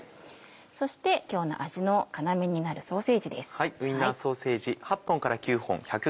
そして今日の味の要になるソーセージです。